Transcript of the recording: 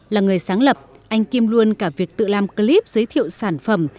là người sáng lập anh kim luôn cả việc tự làm clip giới thiệu sản phẩm